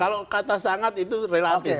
kalau kata sangat itu relatif